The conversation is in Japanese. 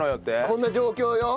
「こんな状況よ。